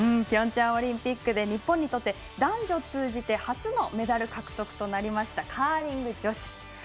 ピョンチャンオリンピックで日本にとって男女通じて初のメダル獲得となったカーリング女子。